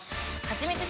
ハチミツ